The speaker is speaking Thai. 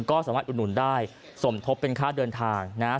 ก็สามารถอุดหนุนได้สมทบเป็นค่าเดินทางนะครับ